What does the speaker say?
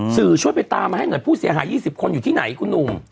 สื่อช่วยไปตามมาให้หน่อยผู้เสียหาย๒๐คนอยู่ที่ไหนคุณหนุ่ม